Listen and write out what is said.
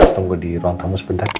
tunggu di ruang tamu sebentar